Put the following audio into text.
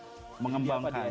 yang ikut mengembangkan